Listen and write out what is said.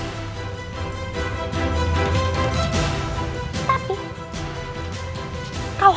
dan surau seta akan kubunuh